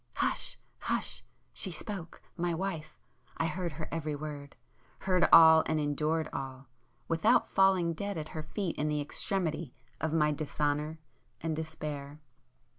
Hush—hush! She spoke,—my wife,—I heard her every word—heard all and endured all, without falling dead at her feet in the extremity of my dishonour and despair!